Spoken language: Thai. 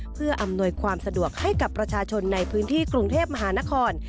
เพื่ออำนวยความสะดวกให้กับประชาชนในพื้นที่กรุงเทพมหานคร